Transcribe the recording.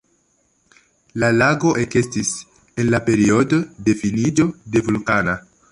La lago ekestis en la periodo de finiĝo de vulkana.